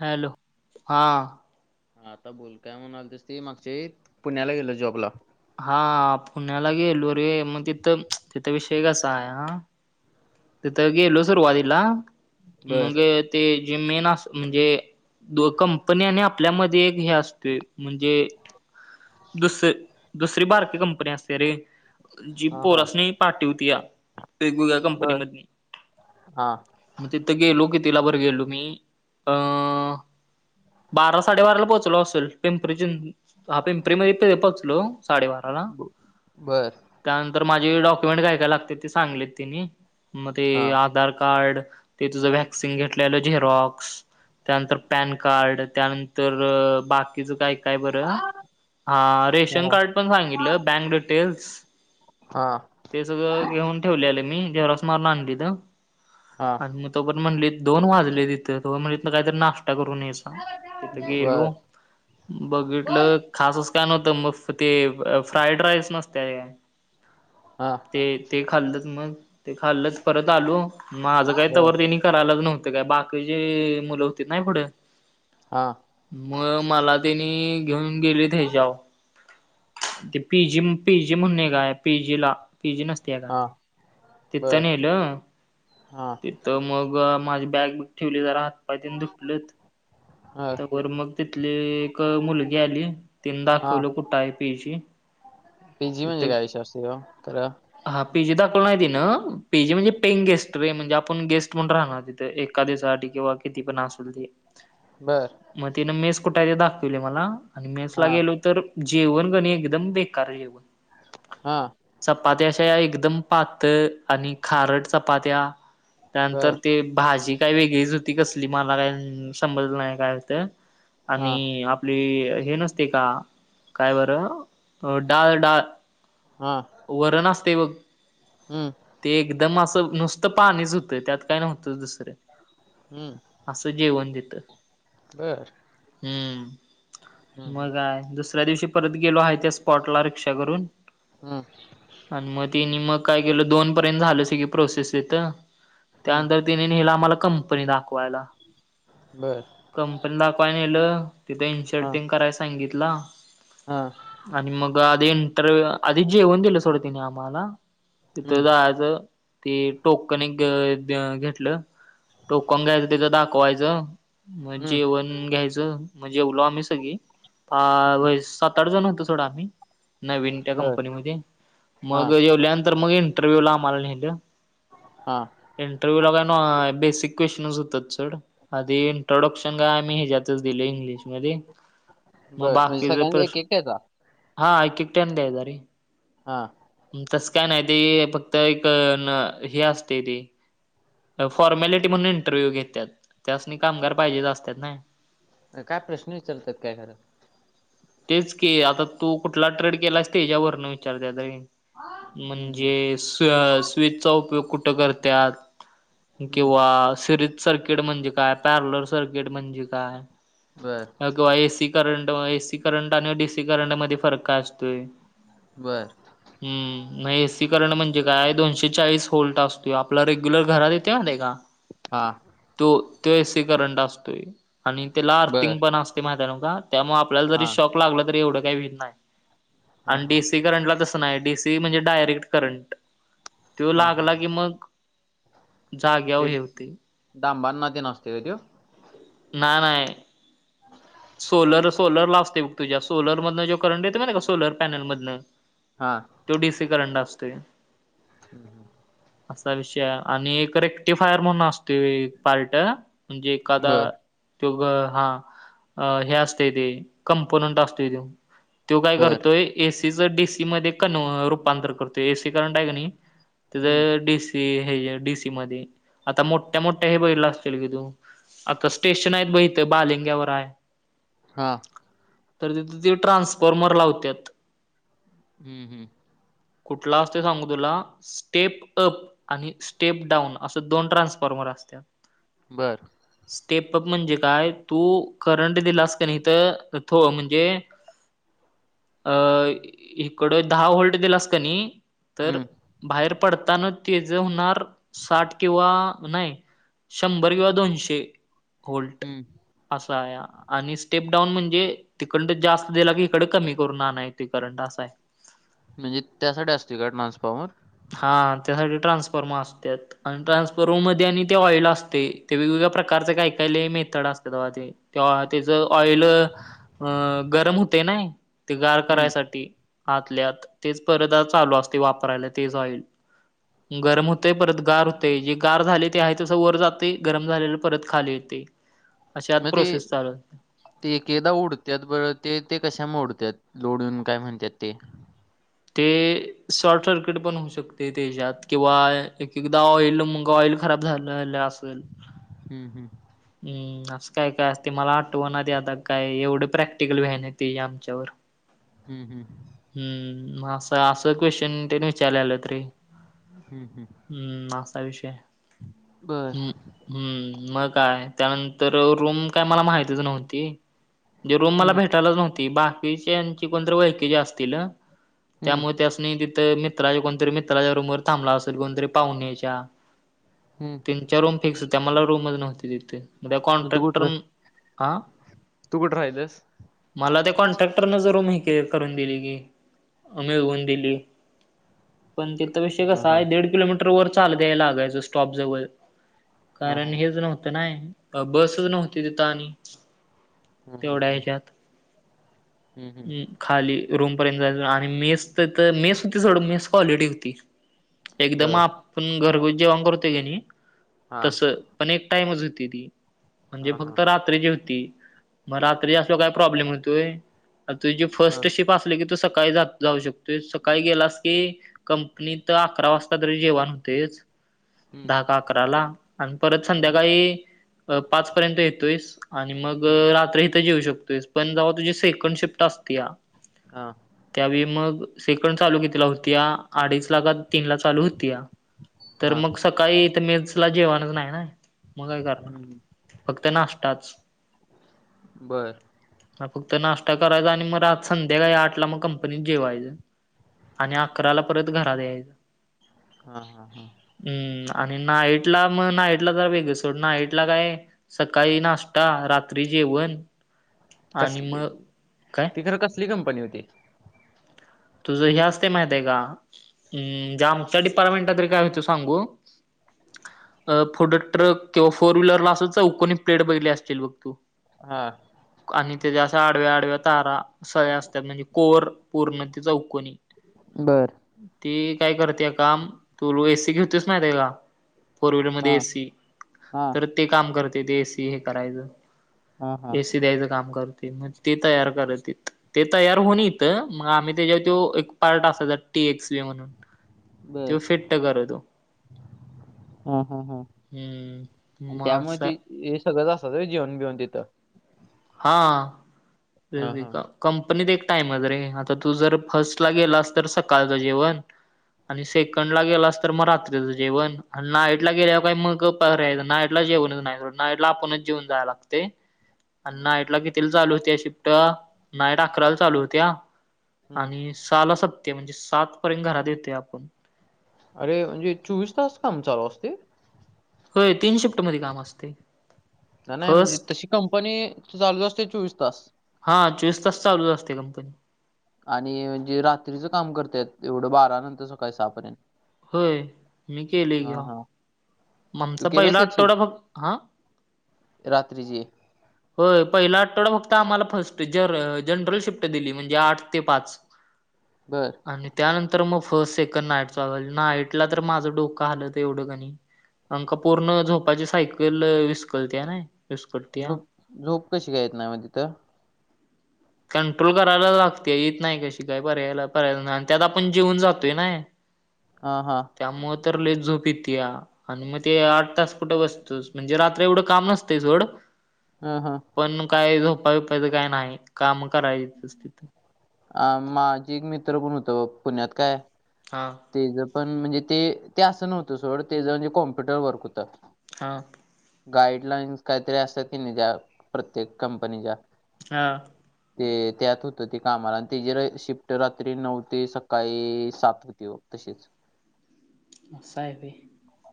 Hello हा. आता बोल काय म्हणाल तीस ती मागच्या वेळीत पुण्याला गेलो जॉबला. हा पुण्याला गेलो रे हा मग तिथं तिथ विषय कसा आहे हा. तिथ गेलो सुरुवातीला बर मग ते जे मेन असं म्हणजे दो कंपनी आणि आपल्यामध्ये एक हे असतोय म्हणजे दुस दुसरी बारकी कंपनी असते रे. जी हा हा पोरांसनी पाठीवतीया वेगवेगळ्या कंपनी बर मधी. हा. मग तिथ गेलो की कितीला बर गेलो मी अ बारा साडेबाराला पोहोचलो असल पिंपरी चिंच पिंपरी मधे पोहचलो साडेबाराला. ब- बर त्यानंतर माझी डॉक्युमेंट काय काय लागते ते सांगीतलें तिनी. मग ते हा आधार कार्ड ते तुझं व्हॅक्सिन घेतले झेरॉक्स त्यानंतर पॅन कार्ड त्यानंतर बाकीचं काय काय बरं. हा रेशन कार्ड पण सांगितलं बँक डिटेल्स हा ते सगळं घेऊन ठेवलेल मी झेरॉक्स मारून आणलेल हा आणि मग. तो पर्यन्त म्हणले दोन वाजले तिथं तो म्हणलं इथनं काहीतरी नाश्ता करून यायच. तिथ बर गेलो बघितलं खास असं काय नव्हतं मग ते फ्राईड राईस नसते काय हा. ते ते खाल्लंच मग ते खाल्लच परत आलो म माझं काय तवर बर तेनी करायलाच नव्हतं काय बाकी चे मुलं होती ना पुढं हा. मग मला तेनी घेऊन गेले ह्याच्यााव ते पी जी पी जी म्हणून एक हाय पी जी ला पीजी नसते काय. हा. तिथ बर नेलं हा तर मग माझी बॅग ठेवली जरा हात पाय तेनं धुतलत. बर तर बरं मग तिथली एक मुलगी आली तिन हा दाखवलं कुठं आहे पीजि. पीजी म्हणजे काय विषय असतय ओ खरं? हा पीजी दाखवल नाही तिन पीजी म्हणजे पेंईंग गेस्ट रे म्हणजे आपण गेस्ट म्हणून राहणार तिथ एक एका दिवसासाठी किंवा किती पण आसल ते. बर. मग तिनं मेस कुठ आहे ते दाखिवली मला आणि मेसला हा गेलो तर जेवण कनय एकदम बेकार जेवण. हा. चपात्या अशा एकदम पातळ आणि खारट चपात्या. बर त्यानंतर ते भाजी काय वेगळीच होती कसली मला काय समजलं नाय काय होत? हा आणि आपली हे नसतेय का काय बरं डाळ डाळ हा वरण असतय बघ हम्म ते एकदम असं नुसतं पाणीच होतं त्यात काय नव्हतंच दुसरं. हम्म आसं जेवण तिथ. बर. हम्म हम्म हम्म मग काय दुसऱ्या दिवशी परत गेलो आहे त्या स्पॉटला रिक्षा करून हम्म. आणि मग तेनी मग काय केलं दोन पर्यंत झालं सगळी प्रोसेस तिथ हम्म त्यानंतर तिन नेल आम्हाला कंपनी दाखवायला बरं. कंपनी दाखवायला नेल तिथं हा इन्शर्टिंग कराय सांगितला. हा. आणि मग आदी इंटरव्हू आदी जेवण दिल सोड तिन आम्हाला. हम्म तिथं जायाचं ते टोकन एक घेतलं. टोकन घ्यायचं तिथ दाखवायचं मग हम्म जेवण घ्यायचं मग जेवलो आम्ही सगळी आ हम्म व सात सात आठ जण होतो सोड आम्ही नवीन त्या बर कंपनी मधे हा मग जेवल्यानंतर मग इन टरव्यूला आम्हाला नेलं. हा. इंटरव्ह्यू ला काय ना बेसिक क्वेश्चनच होत सोड आधी संग आम्ही ह्याच्यातच दिल इंग्लिश मधे मग बर म्हणजे बाकीच सगळ्यांचा एक प्रश्न एक त्याचा हा एक एक ट्यान द्यायचा रे. हां. तस काय नाही ते फक्त एक न हे असतय ते फॉरमॅलिटी म्हणून इंटरव्ह्यू घेत्यात त्यासनी कामगार पाहिजेच असत्यात ना. काय प्रश्न विचारतात काय खरं? तेच की आता तू कुठला ट्रेड केलास त्याच्या वरन विचारत्यात रे. हम्म, हम्म, म्हणजे स स्विचचा उपयोग कुठं करत्यात? हम्म. किंवा सिरीज सर्किट म्हणजे काय? पॅरलर सर्किट म्हणजे काय? बरं. किंवा एसी करंट एसी करंट आणि डीसी करंट मध्ये फरक काय असतोय? बर. हम्म मग एसी करंट म्हणजे काय दोनशे चाळीस होल्ट असतोय आपला रेग्युलर घरात येते ना ते का हा. तो तो एसी करंट असतोय. आणि त्याला बर अर्थिंग पण असते माहिती नव का? आपल्याला जरी हा शॉक लागला तरी एवढं काही भीत नाही. हा आणि हा डीसी करंटला तसं नाय डीसी म्हणजे डायरेक्ट करंट. त्यो हा हा लागला हा की मग जाग्यावर हे होते. डाबांना तेन असतोय काय तो. नाही नाही. ह [unintelligible] सोलर सोलर असते ब तुझ्या मधनं जो करंट येतो म ना का सोलर पॅनलमधनं. हा. तो डीसी करंड असतो. हम् हम. असा विषय आणि एक रेक्टी फायर म्हणून असतो. ते एक पार्ट म्हणजे एखादा बर तो ग हा. अ हे असते ते कंपोनंट असतो तो तो काय? बर करतोय. एसीचं डीसी मध्ये कन रूपांतर करतो एसी करंट आहे का? नाही हम्म त्या डीसी हे डीसी मध्ये आता मोठ्या मोठ्या हे बगितला असतील की तु आता स्टेशन आहेत बघ इथं बालिंग्यावर आहे. हां. तर तिथं त ट्रान्सफॉर्मर लावत्यात. हम्म हम्. कुठला असतो सांगू तुला स्टेप अप. आणि स्टेपडाऊन असं दोन ट्रान्सफॉर्मर असतात. बरं. स्टेपअप म्हणजे काय तू करंट दिलास का नाही तर म्हणजे- अ इकडं दहा होल्ट दिला अस का नाही. तर हम्म बाहेर पडताना ते जे होणार साठ किंवा नाही. शंभर, किंवा दोनशे होल्ड. हम्म. असा आहे. आणि स्टेप डाऊन म्हणजे तिकडं जास्त दिला की इकडं कमी करून आणय त करंट असा आहे. म्हणजे त्यासाठी असतोय का? ट्रान्सफॉर्मर. हा त्यासाठी ट्रान्सफॉर्मा असाल्यात. आणि ट्रान्सफर मध्ये आणि ते ऑइल असते ते वेगवेगळ्या प्रकारचे काही काहीले मेथड असते ते ते. तेव्हा त्याच ऑइल अ गरम होते ना. ते गार हम्म करायसाठी आतल्यात तेच परत चालू असते वापरायला. तेच ऑईल गरम होते. परत गार होते. जे गार झाले ते आहे तसं वर ते गरम झालेलं परत खाली येत अशे आत मग ते प्रोसेस चालूते ते एके एकदा उडतात. बरं ते ते कशामुळे उडतात लोडून काय म्हणतात ते ते शॉर्ट सर्किट पण होऊ शकते. त्याच्यात किंवा एक एकदा ऑइल मग ऑइल खराब झालेलं असेल. हम्म हम्म. हम्म असं काय काय असते मला आठवणवा. ना आता काय एवढं प्रॅक्टिकल व्ह्यान ते आमच्यावर हम्म हम्म. हम्म म असं असं क्वेश्चन त्यांनी विचारले आलं रे. हम्म हम्म हम्म, असा विषय हाय. बर हम् हम्म मग काय त्यानंतर रूम काय मला माहतीच नव्हती. म्हणजे रूम मला हम्म भेटायलाच नव्हती बा [unintelligible] कोणतर ओळखीच असतिल हम्म त्यामुळं त्यांसनी तिथ- मित्राच्या कोणी तरी मित्राच्या रूमवर थांबला असेल कोणीतरी पावणेच्या, हम्म तीन चार रूम फिक्स होत्या मला रूमच नव्हती तिथे. म मग तू कॉन्ट्रॅक्टर कुठं हा, तू कुठं राहिलस? मला ते कॉन्ट्रॅक्टरने रुम ही करून दिली की. [unintelligible] मिळून दिली. पण तिथ विषय हा कसा हा आहे दीड किलोमीटर वर चालत यायला लागायचं स्टॉप जवळ, हा कारण हा हेच नव्हतं ना बसच नव्हती तिथं आणि हम्म हम्म तेवढ्या हम्म ह्याच्यात हम्म खाली रूमपर्यंत जाय आणि मेस तर तर मेस होती सथडं मेस क्वालिटी होती. एकदम बर आपण घरगुत जेवण करतोय कणी हा तसं. पण एक टाइमच होती ती, म्हणजे हा हा फक्त रात्री ची होती. मग रात्री असल काय प्रॉब्लेम होतोय. तुझी हा फर्स्ट शिप असली की तू सकाळी जाऊ शकतो. तु सकाळी गेलास की कंपनी तर अकरा वाजता तरी जेवाण होतेचं. हम्म दहा का अकराला आणि परत हा संध्याकाळी पाच पर्यंत येतोयस आणि मग हम्म रात्री इथं जेव शकतोयस. पण जेव्हा तुझी सेकंड शिफ्ट असत्या. हा त्यावेळी मग सेकंड चालू कितीला होतीया अडीच ला का तीन ला चालू होतीया. तर हा मग सकाळी इथं मेस ला जेवाणच नाही ना मग काय करणार. हम्म फक्त नाष्टताच. बर ह फक्त नाश्ता करायचा आणि मग आ संध्याकाळी आठला मग कंपनीत जेवायचं. आणि अकराला परत घरात यायचं. हा हा हा हम्म आणि नाईटला मग नाईटला तर वेग सोड नाईटला काय. सकाळी नाश्ता आणि रात्री जेवण. आणि मग काय ती तर कसली कंपनी होती. तुझं हे असते माहित आहे का? हम्म जे आमच्या डिपार्टमेंटा तरी काय होत सांगू. फूड ट्रक किंवा फोर व्हीलरला असू चौकोनी प्लेड बघितली असतील बघ तू. हा आणि त्याच्या असा आडव्या, आडव्या तारा सगळ्या असतात म्हणजे कोर पूर्ण. ती चौकोनी. बरं ती काय करतेय काम, तु रु एसी खेळतोयस माहीत्या का. फोर हा व्हीलरमध्ये एसी, हा तर ते काम करते ते एसी हे करायचं. हा हा एसी द्यायचं काम करते, मग ते तयार करलालतीत ते तयार होऊन येत मग आम्ही त्याच्या तो एक पार्ट असा टी एक्स बी म्हणून बर तेव्हा फिट्ट करल. हम्म हम्म ह हम्म आणि मग त्यामुळे असं ते हे सगळं असतात जेवण बिवन तिथं हा हा हा [unintelligible] कंपनीत एक टाइम आहेत रे आता तू जर फर्स्ट ला गेलास तर सकाळचं जेवण आणि सेकंडला गेलास तर मग रात्रीचं जेवण. आन नाइटला गेल्यावर काही मंग गप घरी यायच नाईटला जेवणच नाही सोड नाईटला आपणच जेवुन जाय लागतय. आण नाईट ला कितीला चालू होतेया शिफ्ट नाईट अकराला चालू होत्या. हम्म आणि सहाला सपते म्हणजे सात पर्यंत घरात येतोय आपण. अरे म्हणजे चोवीस तास काम चालू असतेय? होय तीन शिफ्ट मध्ये काम असतय. नाही म्हणजे तशी कंपनी चालूच असते चोवीस तास? हा चोवीस तास चालूच असते कंपनी. आणि जे रात्रीचं काम करत्यात एवढ बारानंतर सकाळी सहा पर्यंत? होय मी केलं की भा हां. तू आमचा केलंस पहिला एक आठवडा शिफ्ट फक्त आं? रात्रीची? होय पहिला आठवडा फक्त आम्हाला फर्स्ट ज जनरल शिफ्ट दिली म्हणजे आठ ते पाच. बर. आणि त्यानंतर मग फर्स्ट, सेकंड, नाईट चालु झाली नाईटला तर माझं डोकं हलतं एवढं कणय. अंका पूर्ण झोपाची सायकल विस्कळत्या नाय विस्कटत्या. झोप झोप कशी काय येत नाय मग तिथं? कंट्रोल करायला लागते इेत नाही कशी काय पर्यायला परयला नाही आणि त्यात आपण जीवुन जातोय नाय. हा हा. त्यामुळ तर लयच झोप येतीया. आणि मग ते आठ तास कुठ बसतोस म्हणजे रात्री एवढ काम नसतय सोड. हा हा. पण काय झोपाय बिपायचं काय नाही काम करायचंच तिथं. अ माझी एक मित्र पण होतं बग पुण्यात काय हां. तेचं पण म्हणजे ते ते असं नव्हतं सोड तेच जे कॉम्प्युटर वर्क होतं. हां. गाईडलाईन्स काहीतरी असत्यात की नाही त्या प्रत्येक कंपनीच्या? हा. ते त्यात होतं ते कामाला आणि त्या ज शिफ्ट रात्री नऊ ते सकाळी सात होती बग. तशीच. असं हाय व्हय.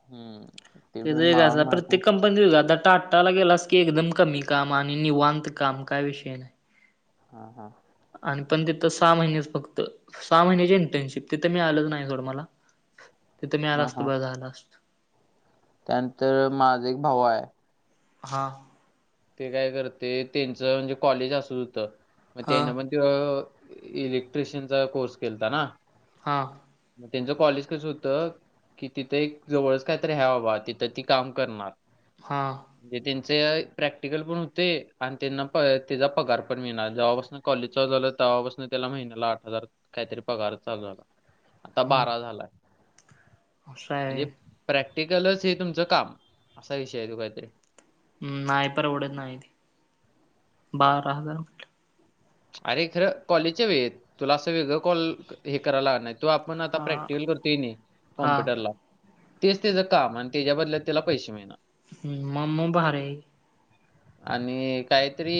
हम्म ते त्याचं एक असा पण [unintelligible] प्रत्येक आता टाटाला गेलास की एकदम कमी काम आणि निवांत काम काय विषय नाही. हा हा. आणि पण तिथं सहा महिनेच फक्त. सहा महिन्याची इंटर्नशिप तिथं मिळालंच नाय सोड मला. तिथं मिळाल हां, असत हां. बरं झालं असतं. त्यानंतर माझं एक भाऊ हाय. हां. ते काय करते त्यांचं म्हणजे कॉलेज असंच होतं मग हा त्यांना पण त्यो इलेक्ट्रिशन चा कोर्स केलताना. हां. मग त्यांचं कॉलेज कसं होतं कि तीथ जवळच काय तर हाय मग तिथं ती काम करणार. हा दे त्यांचं प्रॅक्टिकल पण होतं आणि त्यांना त्याजा पगार पण मिळणार जवा पासन कॉलेज चालू झालं तवा पासन त्याला महिन्याला आठ हजार कायतरी पगार चालू झाला आता हम्म बारा झालाय असं म्हणजे आहे. प्रॅक्टिकलच हे तुमचं काम असा विषय हाय त्यो काय तरी हू नाही परवडत नाय ते बारा हजार अरे खर कॉलेजच्या वेळत तुला असं वेगळं कॉल हे करावं लागत नाहीत तो आपण आता हा प्रॅक्टिकल करतोय किणी हा कॉम्प्युटरला तेच त्याचं काम आणि त्याच्या बदल्यात त्याला पैसे मिळणार हू म म भारी हाय आणि कायतरी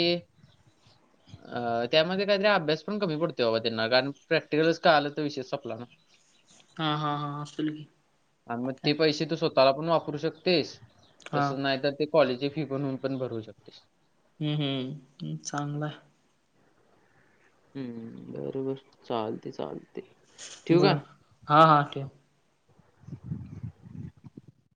अ त्यामध्ये काहीतरी अभ्यास पण कमी पडतोय बाबा त्यांना कारण प्रॅक्टिकलच कळाल तर विषयच संपला ना हा हा हा असल की आणि मग ते काय पैसे तू स्वतःला पण वापरू शकतेस हा तसच नाही तर ते कॉलेज ची फी बनून पण भरू शकतेस हू हू चांगलाय हू बरबर चालते चालते ठेवू ब का हा हा ठेव